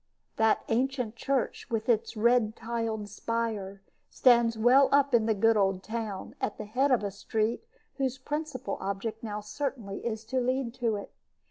That ancient church, with its red tiled spire, stands well up in the good old town, at the head of a street whose principal object now certainly is to lead to it.